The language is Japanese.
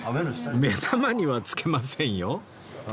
目玉にはつけませんよ！